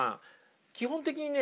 基本的にね